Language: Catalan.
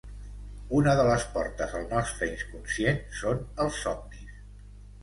Una de les portes al nostre inconscient són els somnis